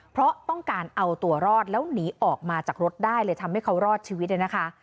เพราะต้องการเอาตัวรอดแล้วหนีออกมาจากรถได้เลยทำให้เขารอดชีวิตเลยนะคะ